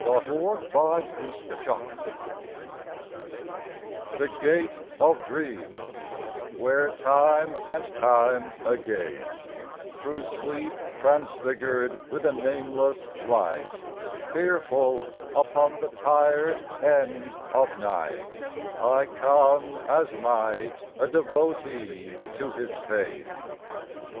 no XVII THE GATE OF DREAMS THE Gate of Dreams, where, time and time again, Through sleep transfigured with a nameless light, Fearful, upon the tired end of night, I come as might a devote to his fane.